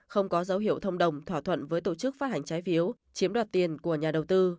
không có dấu hiệu thông đồng thỏa thuận với tổ chức phát hành trái phiếu chiếm đoạt tiền của nhà đầu tư